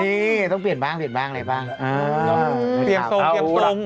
นี่ต้องเปลี่ยนบางอะไรบ้าง